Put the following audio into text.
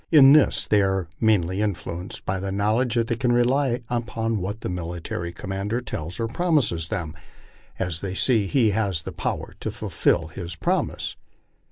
In this they are mainly influenced by the knowl edge that they can rely upon what the military commander tells or promises them, as they see hfl has power to fulfil his promise.